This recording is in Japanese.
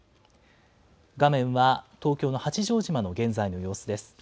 画面は東京の八丈島の現在の様子です。